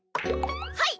はい！